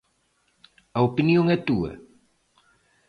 A opinión é túa?